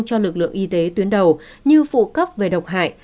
cho lực lượng y tế tuyến đầu như phụ cấp về độc hại